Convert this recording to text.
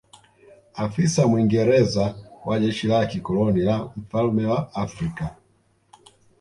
Afisa Mwingereza wa jeshi la kikoloni la mfalme wa Afrika